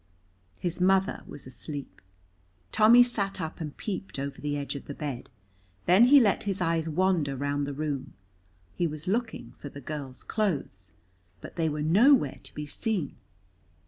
His mother was asleep. Tommy sat up and peeped over the edge of the bed, then he let his eyes wander round the room; he was looking for the girl's clothes, but they were nowhere to be seen.